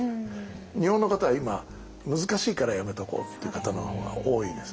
日本の方は今難しいからやめておこうっていう方のほうが多いです。